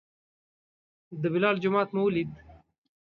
د بلال جومات مو ولید.